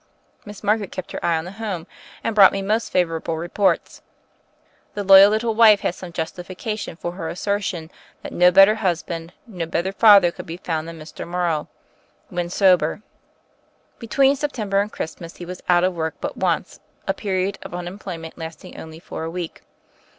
Miss Margaret kept her eye on the home and brought me most favorable reports. The loyal little wife had some justification for her asser tion that no better husband, no better father could be found than Mr. Morrow — ^when sober. Between September and Christmas he was out of work but once, his period of unemployment lasting only for a week.